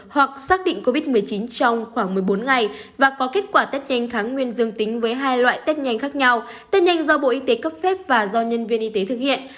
trường hợp bệnh nghi ngờ có kết quả tết nhanh kháng nguyên dương tính trong khoảng một mươi bốn ngày và có kết quả tết nhanh kháng nguyên dương tính với hai loại tết nhanh khác nhau tết nhanh do bộ y tế cấp phép và do nhân viên y tế thực hiện